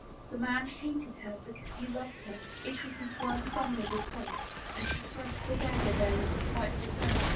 The man hated her because he loved her; it was his one vulnerable point and she thrust her dagger there with a spiteful turn.